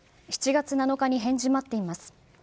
７月７日に返事待ってます。